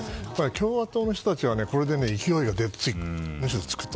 共和党の人たちはこれで勢いがむしろつくと。